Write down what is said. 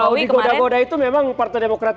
kalau digoda goda itu memang partai demokrat